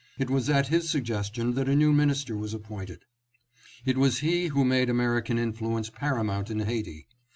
It was at his suggestion that a new minister was appointed. It was he who made American influence paramount in Haiti.